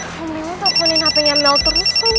mending gue teleponin hpnya mel terus lagi